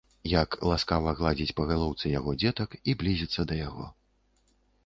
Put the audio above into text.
як ласкава гладзiць па галоўцы яго дзетак i блiзiцца да яго...